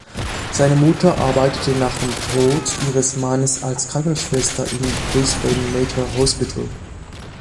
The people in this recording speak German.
Seine Mutter arbeitete nach dem Tod ihres Mannes als Krankenschwester im "Brisbane Mater Hospital".